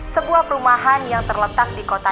sebuah perumahan yang terletak di kota